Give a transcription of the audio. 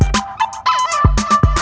kau mau kemana